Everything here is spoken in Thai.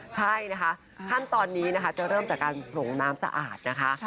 ใช่นะคะขั้นตอนนี้นะคะจะเริ่มจากการส่งน้ำสะอาดนะคะ